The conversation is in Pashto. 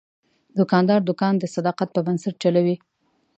دوکاندار دوکان د صداقت په بنسټ چلوي.